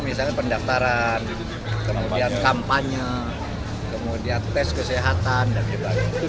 misalnya pendaftaran kemudian kampanye kemudian tes kesehatan dan sebagainya